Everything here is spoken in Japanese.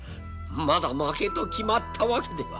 まだ負けと決まったわけでは。